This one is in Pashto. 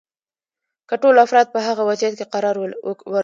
که ټول افراد په هغه وضعیت کې قرار ورکړو.